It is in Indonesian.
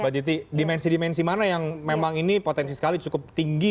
mbak jiti dimensi dimensi mana yang memang ini potensi sekali cukup tinggi